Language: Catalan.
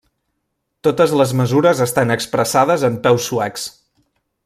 Totes les mesures estan expressades en peus suecs.